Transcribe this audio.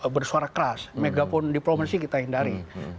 bersuara keras megaphone diplomasi kita hindari